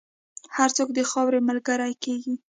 هر څوک د خاورې ملګری کېږي.